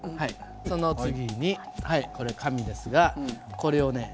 その次にこれ紙ですがこれをね